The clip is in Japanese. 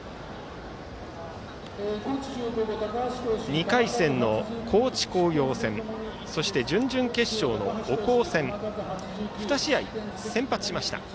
２回戦の高知工業戦そして、準々決勝の岡豊戦２試合、先発しました。